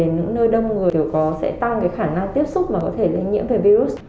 để những nơi đông người đều có sẽ tăng khả năng tiếp xúc mà có thể nhận nhiễm về virus